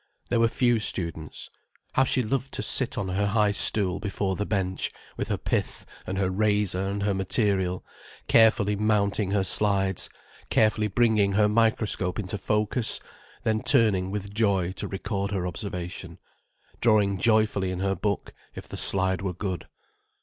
There were few students. How she loved to sit on her high stool before the bench, with her pith and her razor and her material, carefully mounting her slides, carefully bringing her microscope into focus, then turning with joy to record her observation, drawing joyfully in her book, if the slide were good.